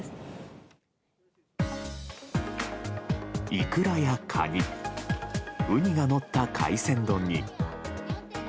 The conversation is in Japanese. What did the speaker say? イクラやカニウニがのった海鮮丼に。